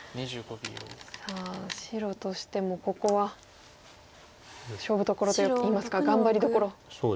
さあ白としてもここは勝負どころといいますか頑張りどころですよね。